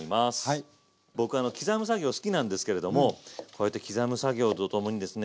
僕あの刻む作業好きなんですけれどもこうやって刻む作業とともにですね